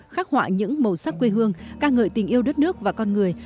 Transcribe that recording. khắc họa những màu sắc quê hương ca ngợi tình yêu đất nước và con người